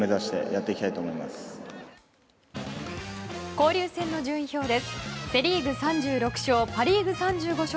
交流戦の順位表です。